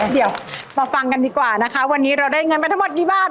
เดี๋ยวมาฟังกันดีกว่านะคะวันนี้เราได้เงินไปทั้งหมดกี่บาท